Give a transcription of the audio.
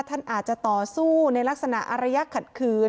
ท่านอาจจะต่อสู้ในลักษณะอารยะขัดขืน